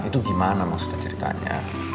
itu gimana maksudnya ceritanya